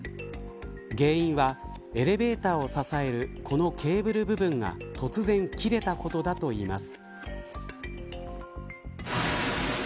原因は、エレベーターを支えるこのケーブル部分が突然切れたことだといいます。